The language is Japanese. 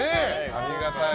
ありがたい。